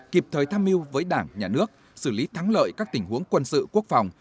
kịp thời tham mưu với đảng nhà nước xử lý thắng lợi các tình huống quân sự quốc phòng